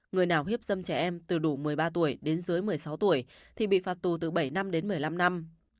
người nào hiếp dâm trẻ em từ đủ một mươi ba tuổi đến dưới một mươi sáu tuổi thì bị phạt tù từ bảy năm đến một mươi năm năm